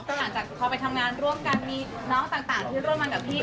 ก็หลังจากพอไปทำงานร่วมกันมีน้องต่างที่ร่วมกันกับพี่